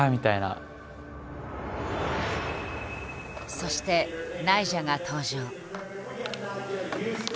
そしてナイジャが登場。